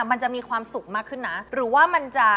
มันจะมีความสุขมากขึ้นนะ